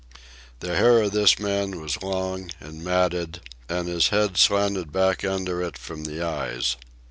The hair of this man was long and matted, and his head slanted back under it from the eyes.